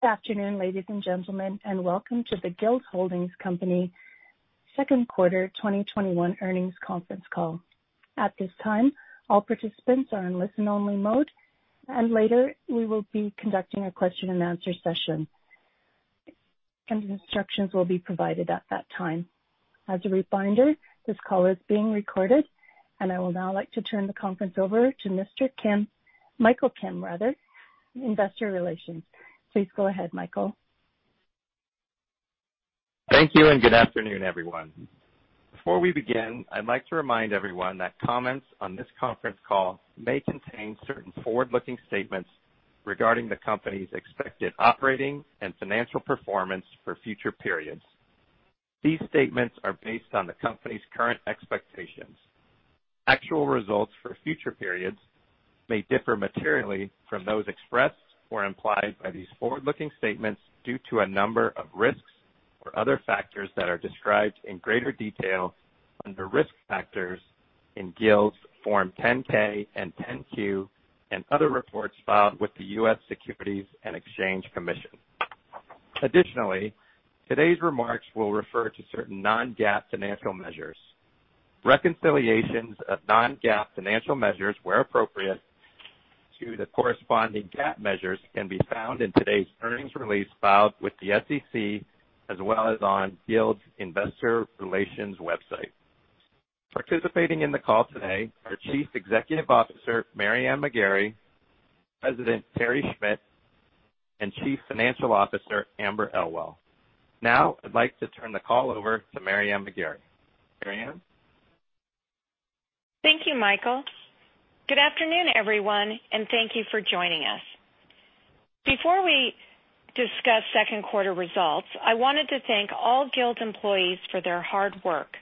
Good afternoon, ladies and gentlemen, and welcome to the Guild Holdings Company second quarter 2021 earnings conference call. At this time, all participants are in listen-only mode, and later we will be conducting a question and answer session, and instructions will be provided at that time. As a reminder, this call is being recorded, and I will now like to turn the conference over to Michael Kim, Investor Relations. Please go ahead, Michael. Thank you, and good afternoon, everyone. Before we begin, I'd like to remind everyone that comments on this conference call may contain certain forward-looking statements regarding the company's expected operating and financial performance for future periods. These statements are based on the company's current expectations. Actual results for future periods may differ materially from those expressed or implied by these forward-looking statements due to a number of risks or other factors that are described in greater detail under Risk Factors in Guild's Form 10-K and 10-Q and other reports filed with the US Securities and Exchange Commission. Additionally, today's remarks will refer to certain non-GAAP financial measures. Reconciliations of non-GAAP financial measures, where appropriate, to the corresponding GAAP measures can be found in today's earnings release filed with the SEC, as well as on Guild's investor relations website. Participating in the call today are Chief Executive Officer, Mary Ann McGarry, President Terry Schmidt, and Chief Financial Officer Amber Kramer. Now I'd like to turn the call over to Mary Ann McGarry. Mary Ann? Thank you, Michael. Good afternoon, everyone, and thank you for joining us. Before we discuss second quarter results, I wanted to thank all Guild employees for their hard work.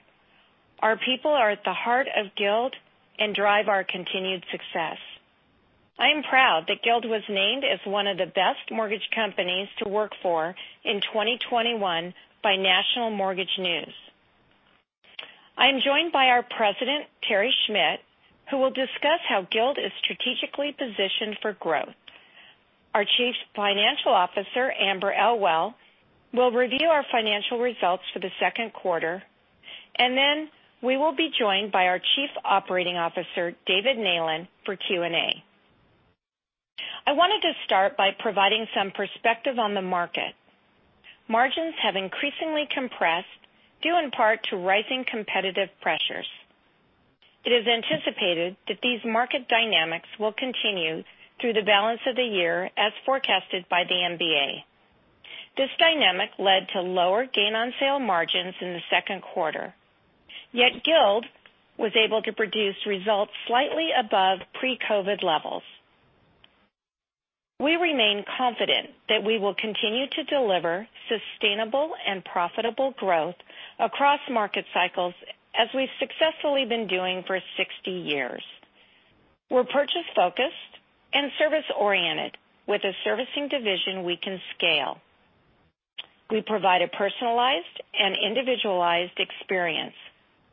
Our people are at the heart of Guild and drive our continued success. I am proud that Guild was named as one of the best mortgage companies to work for in 2021 by National Mortgage News. I'm joined by our President, Terry Schmidt, who will discuss how Guild is strategically positioned for growth. Our Chief Financial Officer, Amber Kramer, will review our financial results for the second quarter, and then we will be joined by our Chief Operating Officer, David Neylan, for Q&A. I wanted to start by providing some perspective on the market. Margins have increasingly compressed, due in part to rising competitive pressures. It is anticipated that these market dynamics will continue through the balance of the year as forecasted by the MBA. This dynamic led to lower gain on sale margins in the second quarter. Yet Guild was able to produce results slightly above pre-COVID levels. We remain confident that we will continue to deliver sustainable and profitable growth across market cycles as we've successfully been doing for 60 years. We're purchase focused and service oriented with a servicing division we can scale. We provide a personalized and individualized experience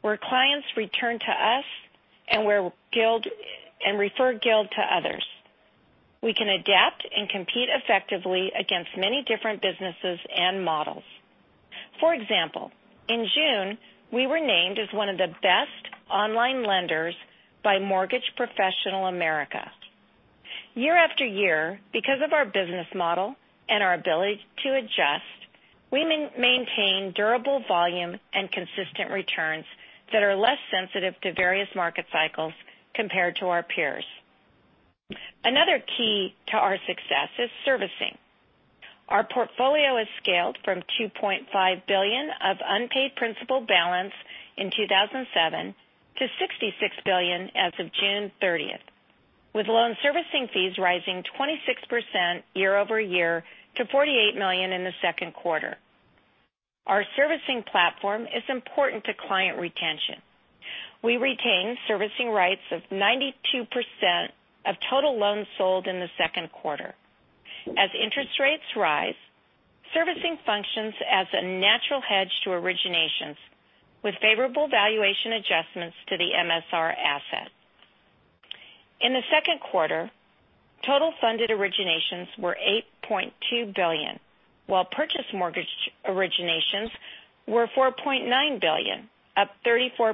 where clients return to us and refer Guild to others. We can adapt and compete effectively against many different businesses and models. For example, in June, we were named as one of the best online lenders by Mortgage Professional America. Year after year, because of our business model and our ability to adjust, we maintain durable volume and consistent returns that are less sensitive to various market cycles compared to our peers. Another key to our success is servicing. Our portfolio has scaled from $2.5 billion of unpaid principal balance in 2007 to $66 billion as of June 30th, with loan servicing fees rising 26% year-over-year to $48 million in the second quarter. Our servicing platform is important to client retention. We retain servicing rights of 92% of total loans sold in the second quarter. As interest rates rise, servicing functions as a natural hedge to originations with favorable valuation adjustments to the MSR asset. In the second quarter, total funded originations were $8.2 billion, while purchase mortgage originations were $4.9 billion, up 34%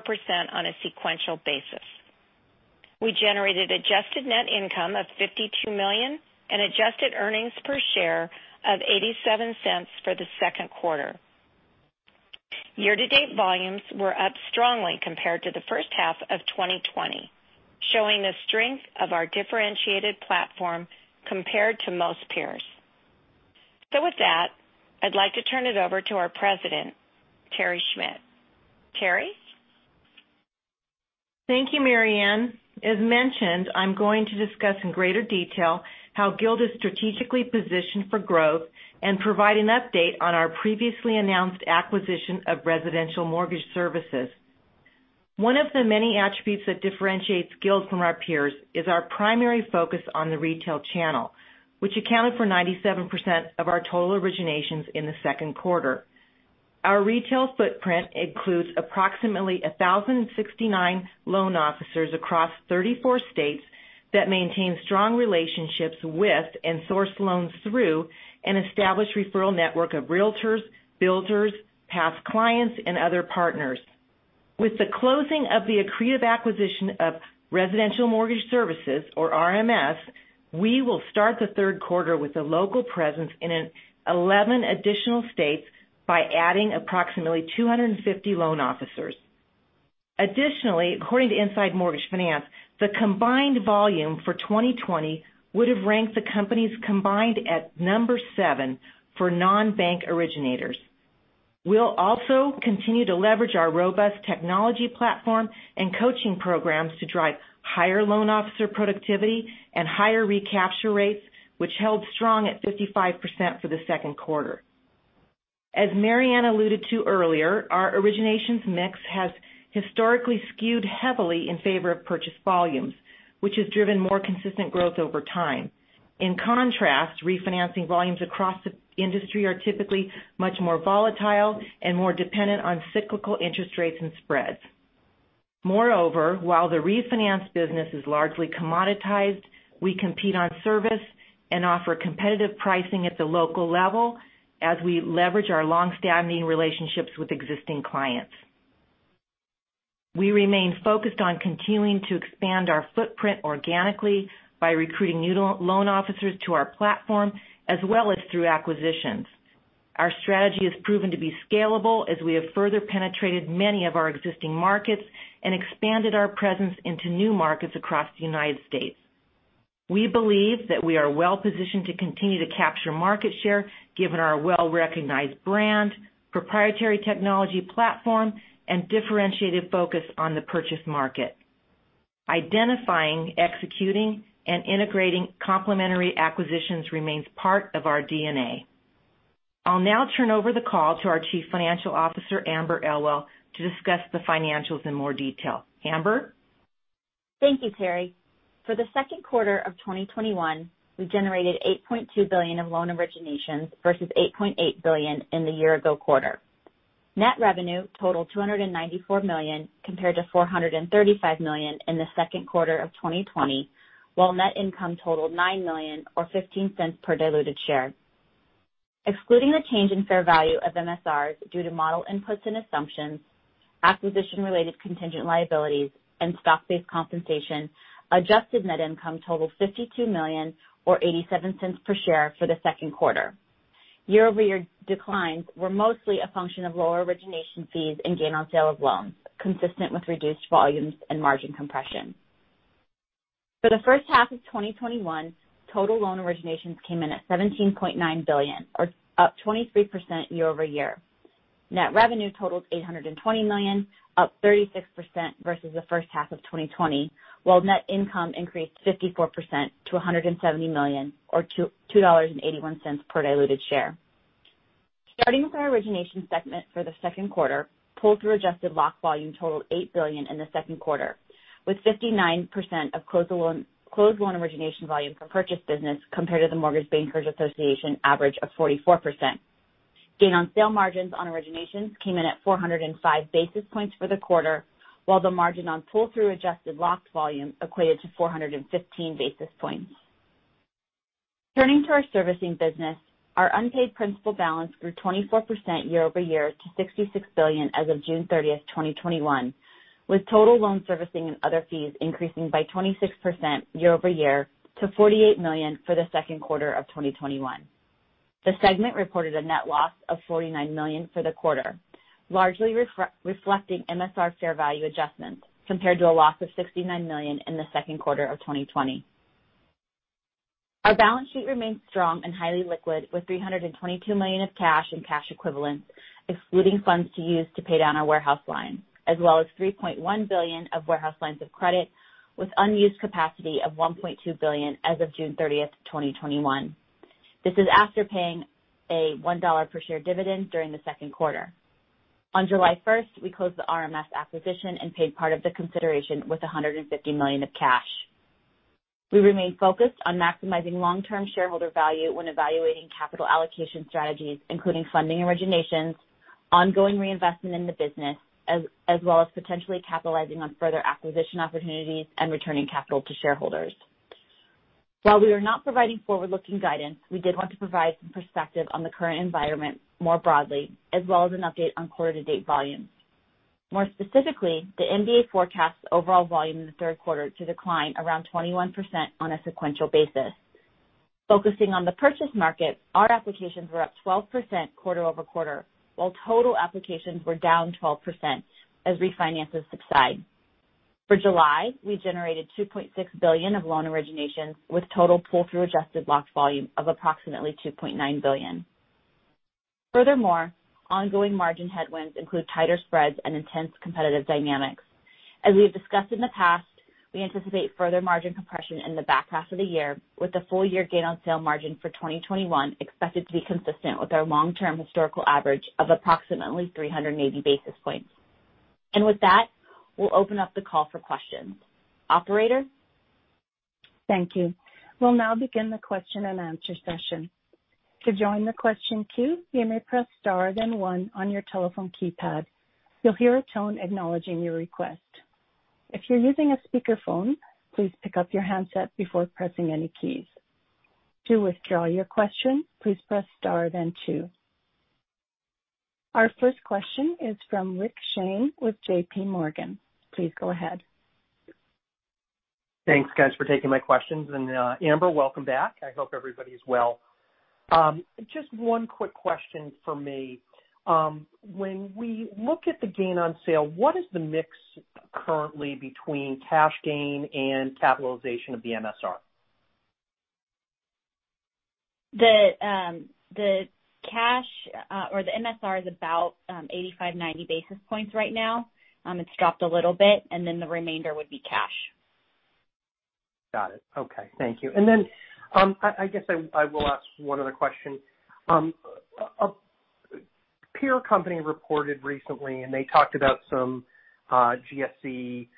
on a sequential basis. We generated adjusted net income of $52 million and adjusted earnings per share of $0.87 for the second quarter. Year-to-date volumes were up strongly compared to the first half of 2020, showing the strength of our differentiated platform compared to most peers. With that, I'd like to turn it over to our President, Terry Schmidt. Terry? Thank you, Mary Ann. As mentioned, I'm going to discuss in greater detail how Guild is strategically positioned for growth and provide an update on our previously announced acquisition of Residential Mortgage Services. One of the many attributes that differentiates Guild from our peers is our primary focus on the retail channel, which accounted for 97% of our total originations in the second quarter. Our retail footprint includes approximately 1,069 loan officers across 34 states that maintain strong relationships with and source loans through an established referral network of realtors, builders, past clients, and other partners. With the closing of the accretive acquisition of Residential Mortgage Services, or RMS, we will start the third quarter with a local presence in 11 additional states by adding approximately 250 loan officers. Additionally, according to Inside Mortgage Finance, the combined volume for 2020 would have ranked the companies combined at number seven for non-bank originators. We'll also continue to leverage our robust technology platform and coaching programs to drive higher loan officer productivity and higher recapture rates, which held strong at 55% for the second quarter. As Mary Ann McGarry alluded to earlier, our originations mix has historically skewed heavily in favor of purchase volumes, which has driven more consistent growth over time. In contrast, refinancing volumes across the industry are typically much more volatile and more dependent on cyclical interest rates and spreads. Moreover, while the refinance business is largely commoditized, we compete on service and offer competitive pricing at the local level as we leverage our longstanding relationships with existing clients. We remain focused on continuing to expand our footprint organically by recruiting new loan officers to our platform as well as through acquisitions. Our strategy has proven to be scalable as we have further penetrated many of our existing markets and expanded our presence into new markets across the U.S. We believe that we are well-positioned to continue to capture market share given our well-recognized brand, proprietary technology platform, and differentiated focus on the purchase market. Identifying, executing, and integrating complementary acquisitions remains part of our DNA. I'll now turn over the call to our Chief Financial Officer, Amber Kramer, to discuss the financials in more detail. Amber? Thank you, Terry. For the second quarter of 2021, we generated $8.2 billion in loan originations versus $8.8 billion in the year-ago quarter. Net revenue totaled $294 million compared to $435 million in the second quarter of 2020, while net income totaled $9 million, or $0.15 per diluted share. Excluding the change in fair value of MSRs due to model inputs and assumptions, acquisition-related contingent liabilities, and stock-based compensation, adjusted net income totaled $52 million, or $0.87 per share for the second quarter. Year-over-year declines were mostly a function of lower origination fees and gain on sale of loans, consistent with reduced volumes and margin compression. For the first half of 2021, total loan originations came in at $17.9 billion, or up 23% year-over-year. Net revenue totaled $820 million, up 36% versus the first half of 2020, while net income increased 54% to $170 million, or $2.81 per diluted share. Starting with our origination segment for the second quarter, pull-through adjusted lock volume totaled $8 billion in the second quarter, with 59% of closed loan origination volume from purchase business compared to the Mortgage Bankers Association average of 44%. Gain on sale margins on originations came in at 405 basis points for the quarter, while the margin on pull-through adjusted locked volume equated to 415 basis points. Turning to our servicing business, our unpaid principal balance grew 24% year-over-year to $66 billion as of June 30th, 2021, with total loan servicing and other fees increasing by 26% year-over-year to $48 million for the second quarter of 2021. The segment reported a net loss of $49 million for the quarter, largely reflecting MSR fair value adjustments compared to a loss of $69 million in the second quarter of 2020. Our balance sheet remains strong and highly liquid with $322 million of cash and cash equivalents, excluding funds to use to pay down our warehouse line, as well as $3.1 billion of warehouse lines of credit with unused capacity of $1.2 billion as of June 30th, 2021. This is after paying a $1 per share dividend during the second quarter. On July 1st, we closed the RMS acquisition and paid part of the consideration with $150 million of cash. We remain focused on maximizing long-term shareholder value when evaluating capital allocation strategies, including funding originations, ongoing reinvestment in the business, as well as potentially capitalizing on further acquisition opportunities and returning capital to shareholders. While we are not providing forward-looking guidance, we did want to provide some perspective on the current environment more broadly, as well as an update on quarter-to-date volumes. The MBA forecasts overall volume in the third quarter to decline around 21% on a sequential basis. Focusing on the purchase market, our applications were up 12% quarter-over-quarter, while total applications were down 12% as refinances subside. For July, we generated $2.6 billion of loan originations with total pull-through adjusted lock volume of approximately $2.9 billion. Ongoing margin headwinds include tighter spreads and intense competitive dynamics. As we have discussed in the past, we anticipate further margin compression in the back half of the year with the full-year gain on sale margin for 2021 expected to be consistent with our long-term historical average of approximately 380 basis points. With that, we'll open up the call for questions. Operator? Thank you. We'll now begin the question and answer session. To join the question queue, please press star then one on your telephone keypad. You'll hear a tone acknowledging your request. If you're using a speakerphone, please pick up your handset before pressing any key. To withdraw your question, please press star then two. Our first question is from Rick Shane with JPMorgan. Please go ahead. Thanks guys for taking my questions. Amber, welcome back. I hope everybody is well. Just one quick question from me. When we look at the gain on sale, what is the mix currently between cash gain and capitalization of the MSR? The cash, or the MSR is about 85 basis points-90 basis points right now. It's dropped a little bit, and then the remainder would be cash. Got it. Okay. Thank you. I guess I will ask one other question. A peer company reported recently, and they talked about some GSE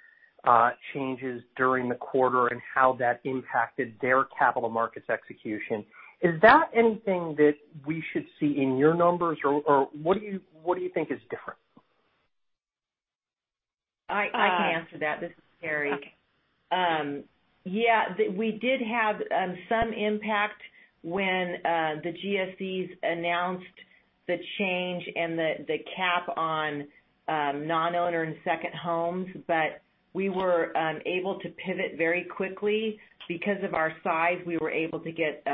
changes during the quarter and how that impacted their capital markets execution. Is that anything that we should see in your numbers? Or what do you think is different? I can answer that. This is Terry. Okay. Yeah. We did have some impact when the GSEs announced the change and the cap on non-owner and second homes. We were able to pivot very quickly. Because of our size, we were able to get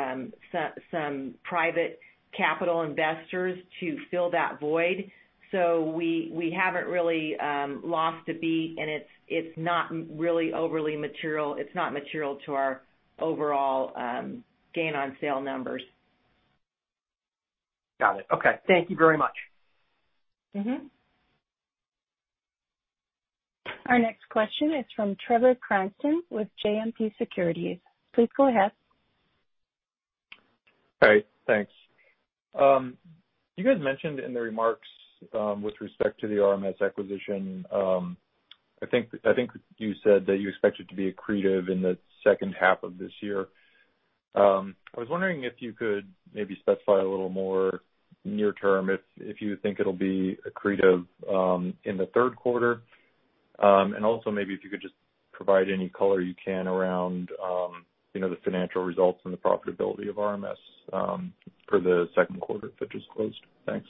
some private capital investors to fill that void. We haven't really lost a beat, and it's not really overly material. It's not material to our overall gain on sale numbers. Got it. Okay. Thank you very much. Our next question is from Trevor Cranston with JMP Securities. Please go ahead. All right. Thanks. You guys mentioned in the remarks, with respect to the RMS acquisition, I think you said that you expect it to be accretive in the second half of this year. I was wondering if you could maybe specify a little more near term, if you think it'll be accretive in the third quarter. Also maybe if you could just provide any color you can around the financial results and the profitability of RMS for the second quarter that just closed. Thanks.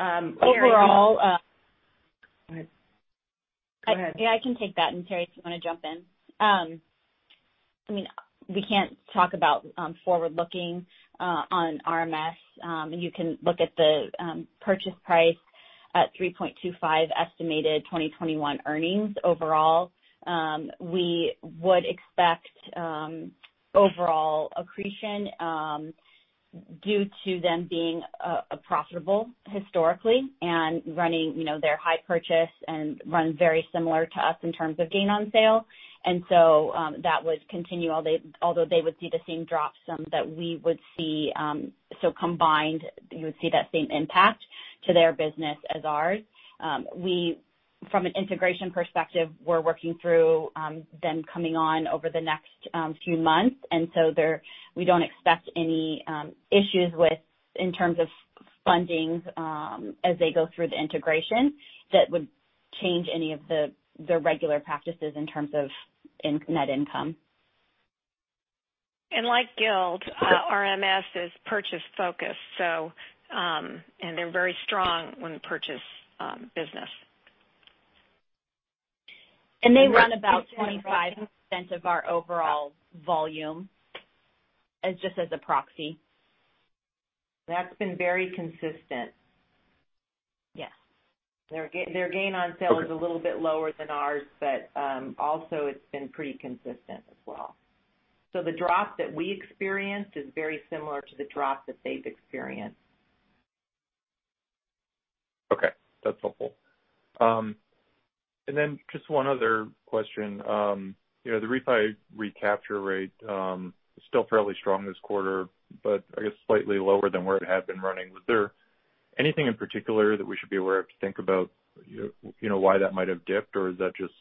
Overall- Terry. Go ahead. Yeah, I can take that, and Terry, if you want to jump in. We can't talk about forward-looking on RMS. You can look at the purchase price at 3.25 estimated 2021 earnings overall. We would expect overall accretion due to them being profitable historically and running their high purchase and run very similar to us in terms of gain on sale. That would continue, although they would see the same drop some that we would see. Combined, you would see that same impact to their business as ours. From an integration perspective, we're working through them coming on over the next few months, and so we don't expect any issues in terms of funding as they go through the integration that would change any of their regular practices in terms of net income. Like Guild, RMS is purchase focused. They're very strong on purchase business. They run about 25% of our overall volume, just as a proxy. That's been very consistent. Yes. Their gain on sale is a little bit lower than ours, but also it's been pretty consistent as well. The drop that we experienced is very similar to the drop that they've experienced. Okay. That's helpful. Just one other question. The refi recapture rate is still fairly strong this quarter, but I guess slightly lower than where it had been running. Was there anything in particular that we should be aware of to think about why that might have dipped, or is that just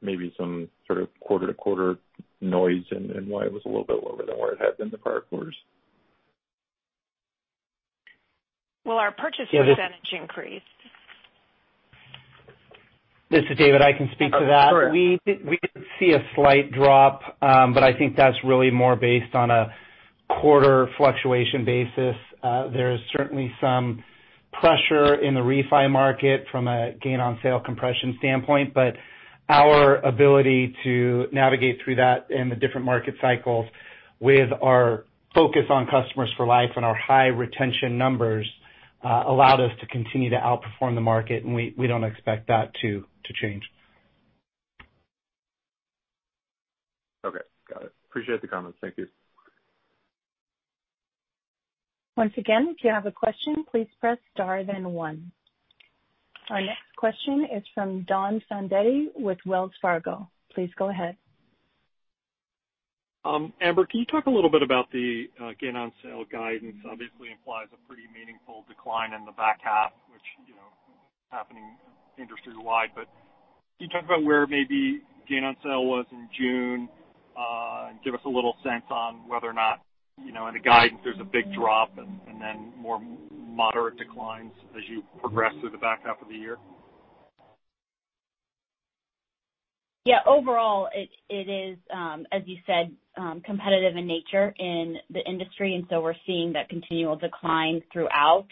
maybe some sort of quarter-to-quarter noise and why it was a little bit lower than where it had been the prior quarters? Well, our purchase percentage increased. This is David. I can speak to that. Sure. We did see a slight drop. I think that's really more based on a quarter fluctuation basis. There is certainly some pressure in the refi market from a gain on sale compression standpoint. Our ability to navigate through that in the different market cycles with our focus on customers for life and our high retention numbers allowed us to continue to outperform the market. We don't expect that to change. Okay. Got it. Appreciate the comments. Thank you. Once again, if you have a question, please press star then one. Our next question is from Don Fandetti with Wells Fargo. Please go ahead. Amber, can you talk a little bit about the gain on sale guidance? Obviously implies a pretty meaningful decline in the back half, which happening industry-wide. Can you talk about where maybe gain on sale was in June? Give us a little sense on whether or not, in the guidance, there's a big drop and then more moderate declines as you progress through the back half of the year. Yeah. Overall, it is, as you said, competitive in nature in the industry, and so we're seeing that continual decline throughout.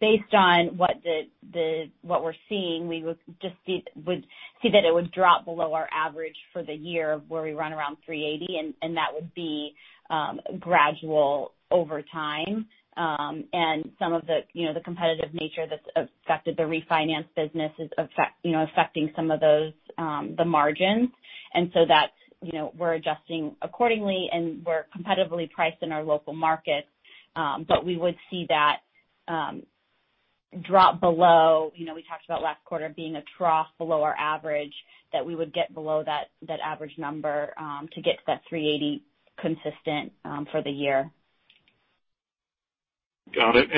Based on what we're seeing, we would see that it would drop below our average for the year, where we run around 380, and that would be gradual over time. Some of the competitive nature that's affected the refinance business is affecting some of those margins. We're adjusting accordingly, and we're competitively priced in our local markets. We would see that drop below. We talked about last quarter being a trough below our average, that we would get below that average number to get to that 380 consistent for the year. Got it.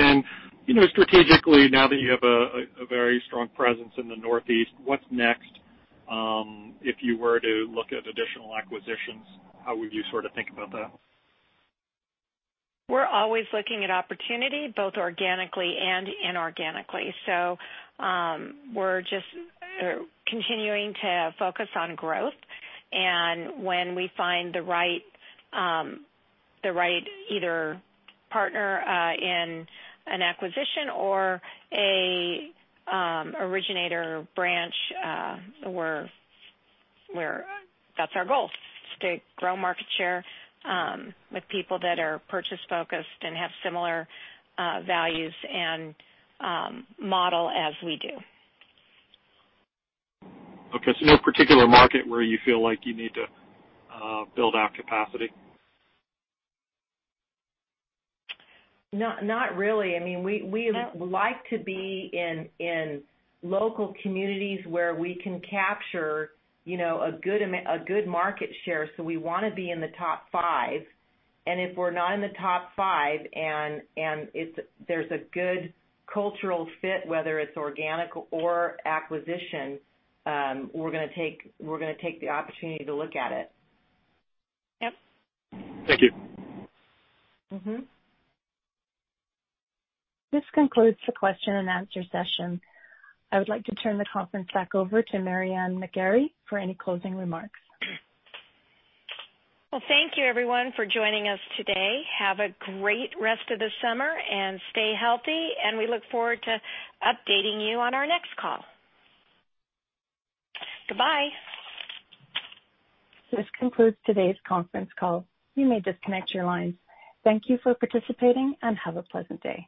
Strategically, now that you have a very strong presence in the Northeast, what's next? If you were to look at additional acquisitions, how would you think about that? We're always looking at opportunity, both organically and inorganically. We're just continuing to focus on growth. When we find the right either partner in an acquisition or a originator branch, that's our goal, to grow market share with people that are purchase focused and have similar values and model as we do. Okay, no particular market where you feel like you need to build out capacity? Not really. We like to be in local communities where we can capture a good market share. We want to be in the top five. If we're not in the top five, and there's a good cultural fit, whether it's organic or acquisition, we're going to take the opportunity to look at it. Yep. Thank you. This concludes the question and answer session. I would like to turn the conference back over to Mary Ann McGarry for any closing remarks. Well, thank you everyone for joining us today. Have a great rest of the summer and stay healthy, and we look forward to updating you on our next call. Goodbye. This concludes today's conference call. You may disconnect your lines. Thank you for participating, and have a pleasant day.